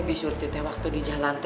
bishurti teh waktu di jalan